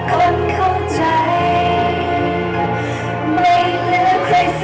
ขอบคุณทุกเรื่องราว